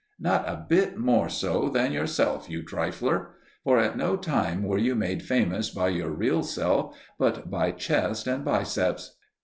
Not a bit more so than yourself, you trifler! For at no time were you made famous by your real self, but by chest and biceps.